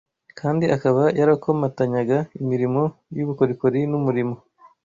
kandi akaba yarakomatanyaga imirimo y’ubukorikori n’umurimo